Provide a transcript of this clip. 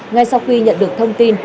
ngay sau khi nhận được thông tin